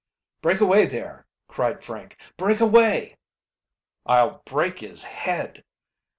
"Break away there!" cried Frank. "Break away!" "I'll break his head!"